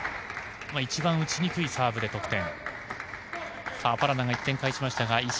一番打ちにくいサーブで得点。